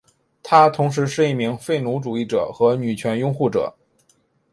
他同时是一名废奴主义者和女权拥护者。